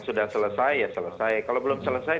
sudah selesai ya selesai kalau belum selesai